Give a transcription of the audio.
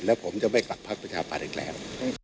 แล้วผมจะไม่กลับพรรคพยาบาทอีกแล้ว